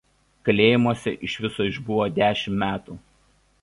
Kalėjimuose iš viso išbuvo dešimt metų.